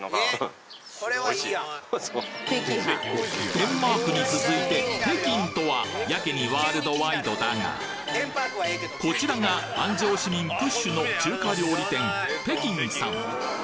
デンマークに続いて北京とはやけにワールドワイドだがこちらが安城市民プッシュの中華料理店北京さん